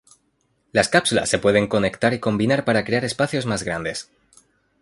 Las cápsulas se pueden conectar y combinar para crear espacios más grandes.